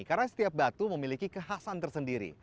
karena setiap batu memiliki kekhasan tersendiri